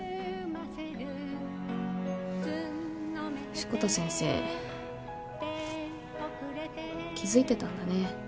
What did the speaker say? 志子田先生気付いてたんだね。